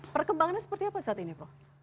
perkembangannya seperti apa saat ini prof